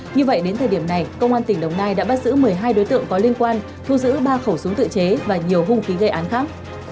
như vậy đến thời điểm này công an tỉnh đồng nai đã bắt giữ một mươi hai đối tượng có liên quan thu giữ ba khẩu súng tự chế và nhiều hung khí gây án khác